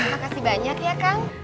terima kasih banyak ya kang